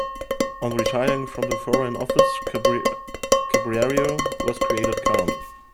On retiring from the foreign office Cibrario was created count.